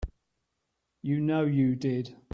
You know you did.